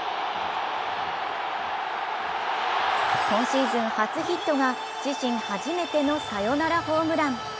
今シーズン初ヒットが自身初めてのサヨナラホームラン。